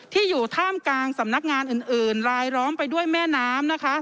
ที่อยู่ท่ามกลางสำนักงานอื่นลายล้อมไปด้วยแม่น้ำนะคะ